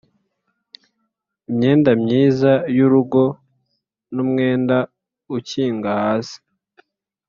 imyenda myiza y urugo n umwenda ukinga hasi